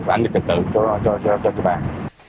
và an ninh trực tử cho người dân